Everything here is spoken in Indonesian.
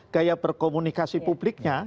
gaya berkomunikasi publiknya